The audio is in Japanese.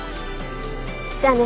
じゃあね。